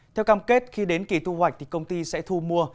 theo cam kết khi đến kỳ thu hoạch thì công ty sẽ thu mua